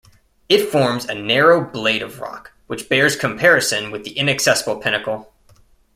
It forms a narrow blade of rock, which bears comparison with the Inaccessible Pinnacle.